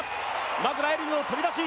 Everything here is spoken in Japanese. まず、ライルズの飛び出し。